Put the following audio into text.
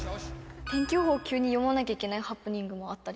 天気予報、急に読まなきゃいけないハプニングもあったり。